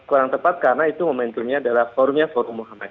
kurang tepat karena itu momentumnya adalah forumnya forum muhammadi